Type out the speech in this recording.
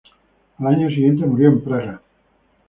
Al año siguiente murió en Praga.